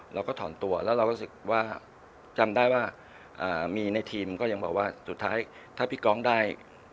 เราก็ถอนตัวแล้วเราก็รู้สึกว่าจำได้ว่ามีในทีมก็ยังบอกว่าสุดท้ายถ้าพี่กองได้